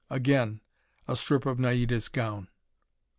Again a strip of Naida's gown.